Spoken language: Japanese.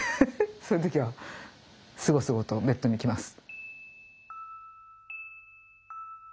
そういう時はすごすごとベッドに行きます。